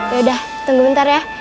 yaudah tunggu bentar ya